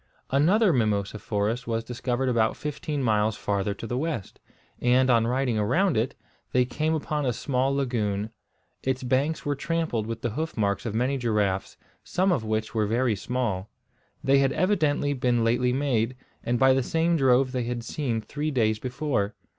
Another mimosa forest was discovered about fifteen miles farther to the west; and on riding around it, they came upon a small lagoon. Its banks were trampled with the hoof marks of many giraffes, some of which were very small. They had evidently been lately made, and by the same drove they had seen three days before.